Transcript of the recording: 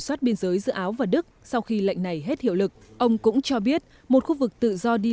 soát biên giới giữa áo và đức sau khi lệnh này hết hiệu lực ông cũng cho biết một khu vực tự do đi